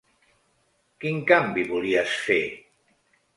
Quin canvi volies fer?